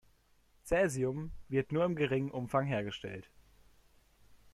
Caesium wird nur in geringem Umfang hergestellt.